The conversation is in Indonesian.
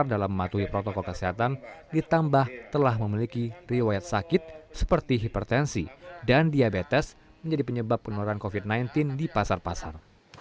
dalam mematuhi protokol kesehatan ditambah telah memiliki riwayat sakit seperti hipertensi dan diabetes menjadi penyebab penularan covid sembilan belas di pasar pasar